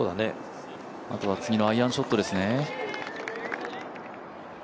あとは次のアイアンショットですね。